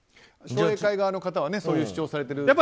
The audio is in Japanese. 商栄会側の方はそういう主張をされている。